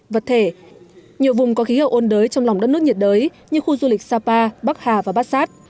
vật thể nhiều vùng có khí hậu ôn đới trong lòng đất nước nhiệt đới như khu du lịch sapa bắc hà và bát sát